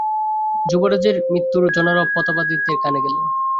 যুবরাজের মৃত্যুর জনরব প্রতাপাদিত্যের কানে গেল।